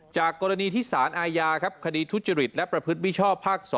จากกรณีที่สารอาญาครับคดีทุจริตและประพฤติมิชชอบภาค๒